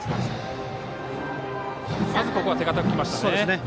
まずここは手堅くきましたね。